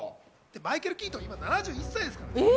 マイケル・キートン、今、７１歳ですから。